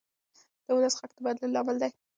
د ولس غږ د بدلون لامل دی